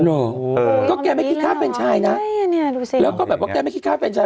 โอ้โหก็แกไม่คิดข้าวเฟรนชัยนะแล้วก็แบบว่าแกไม่คิดข้าวเฟรนชัย